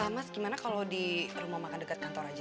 mas gimana kalau di rumah makan dekat kantor aja